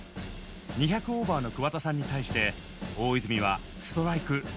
２００オーバーの桑田さんに対して大泉はストライク２本のみ。